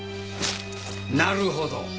なるほど。